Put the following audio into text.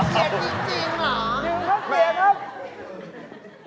เสียครับ